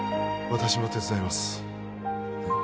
私も手伝いますえっ？